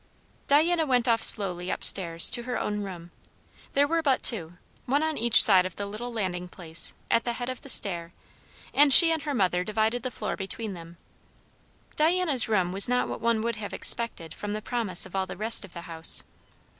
Diana went off slowly up stairs to her own room. There were but two, one on each side of the little landing place at the head of the stair; and she and her mother divided the floor between them. Diana's room was not what one would have expected from the promise of all the rest of the house.